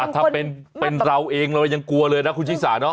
ถ้าเป็นเราเองเรายังกลัวเลยนะคุณชิสาเนาะ